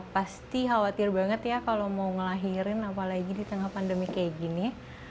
pasti khawatir banget ya kalau mau ngelahirin apalagi di tengah pandemi kayak gini